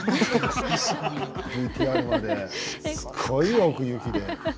すごい奥行きで。